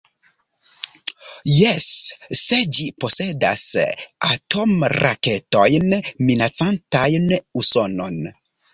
Jes, se ĝi posedas atomraketojn minacantajn Usonon.